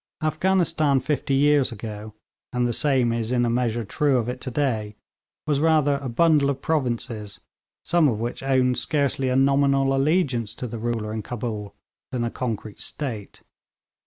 Afghanistan fifty years ago, and the same is in a measure true of it to day, was rather a bundle of provinces, some of which owned scarcely a nominal allegiance to the ruler in Cabul, than a concrete state.